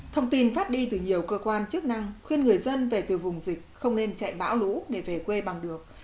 thông tin phát đi từ nhiều cơ quan chức năng khuyên người dân về từ vùng dịch không nên chạy bão lũ để về quê bằng được